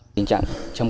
tình trạng xâm canh xâm cư